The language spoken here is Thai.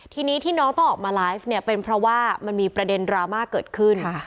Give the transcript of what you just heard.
ทีนี้ที่น้องต้องออกมาไลฟ์เนี่ยเป็นเพราะว่ามันมีประเด็นดราม่าเกิดขึ้น